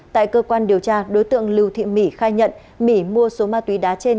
tại cơ quan điều tra đối tượng lưu thịnh bỉ khai nhận mỹ mua số ma túy đá trên